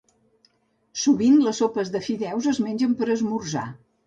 Sovint les sopes de fideus es mengen per esmorzar.